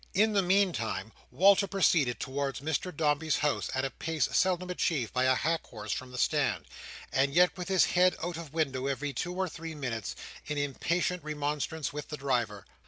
In the meantime, Walter proceeded towards Mr Dombey's house at a pace seldom achieved by a hack horse from the stand; and yet with his head out of window every two or three minutes, in impatient remonstrance with the driver.